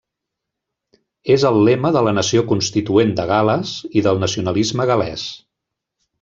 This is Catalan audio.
És el lema de la nació constituent de Gal·les i del nacionalisme gal·lès.